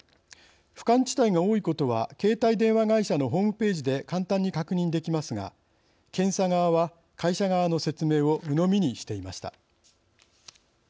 不感地帯が多いことは携帯電話会社のホームページで簡単に確認できますが検査側は、会社側の説明をうのみにしていました。